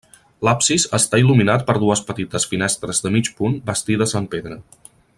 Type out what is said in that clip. L'absis està il·luminat per dues petites finestres de mig punt bastides en pedra.